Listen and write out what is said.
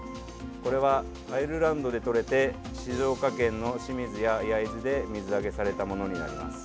これはアイルランドでとれて静岡県の清水や焼津で水揚げされたものになります。